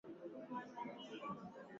na kubwa kisisasa hap nchini Tanzania